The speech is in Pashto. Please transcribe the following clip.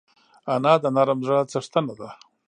انا د نرم زړه څښتنه ده